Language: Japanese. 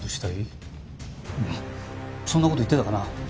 そんな事言ってたかな。